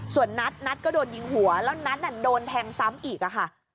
ส่วนนัทนัทก็โดนยิงหัวแล้วนัทโดนแทงซ้ำอีกอะค่ะ